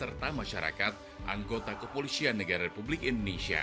serta masyarakat anggota kepolisian negara republik indonesia